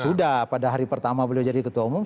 sudah pada hari pertama beliau jadi ketua umum